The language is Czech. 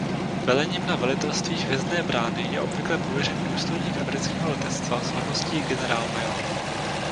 Velením na Velitelství Hvězdné brány je obvykle pověřen důstojník amerického Letectva s hodností Generálmajor.